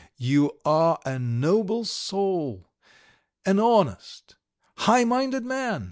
You are a noble soul, an honest, high minded man!